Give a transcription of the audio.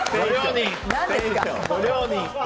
ご両人！